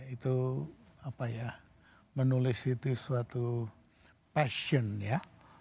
itu apa ya menulis itu suatu passion ya